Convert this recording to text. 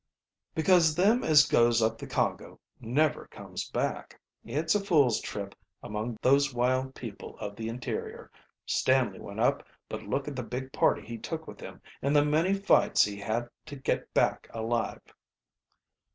"Because them as goes up the Congo never, comes back. It's a fool's trip among those wild people of the interior. Stanley went up, but look at the big party he took with him and the many fights he had to get back alive."